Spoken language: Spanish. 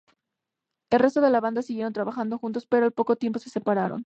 El resto de la banda siguieron trabajando juntos, pero al poco tiempo se separaron.